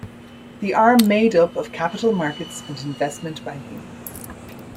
The arm made up of Capital Markets and Investment Banking.